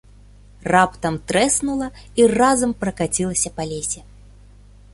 Раптам трэснула і разам пракацілася па лесе.